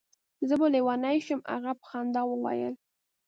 زه به لېونی شم. هغه په خندا وویل.